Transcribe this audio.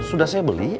sudah saya beli